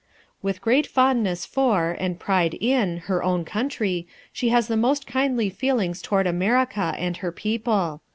With great fondness for, and pride in, her own country, she has the most kindly feelings toward America and her people.